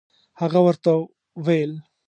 هغه ورته ویل.